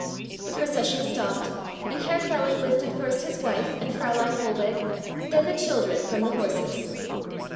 The procession stopped and Herr Feland lifted first his wife and Fräulein Hohlweg, then the children, from the horses.